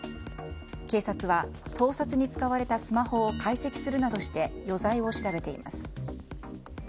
警察は盗撮に使われたスマホを解析するなどして余罪を調べています。